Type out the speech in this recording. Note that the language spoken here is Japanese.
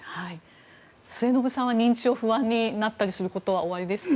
末延さんは、認知症不安になることはありますか？